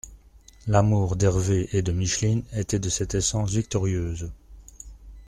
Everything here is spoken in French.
L’amour d’Hervé et de Micheline était de cette essence victorieuse.